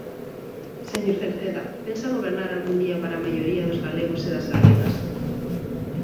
Señor Cerceda, ¿pensa gobernar algún día para a maioría dos galegos e das galegas?